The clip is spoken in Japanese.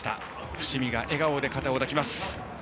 伏見が笑顔で肩を抱きます。